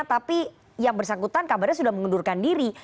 tapi yang bersangkutan kabarnya sudah mengundurkan diri